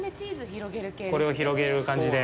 これを広げる感じで？